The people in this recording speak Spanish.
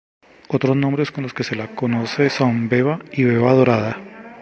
Otros nombres con los que se la conoce son: beba y beba dorada.